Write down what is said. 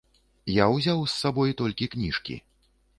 Я ўзяў з сабой толькі кніжкі.